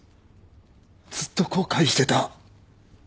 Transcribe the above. ずっと後悔してた。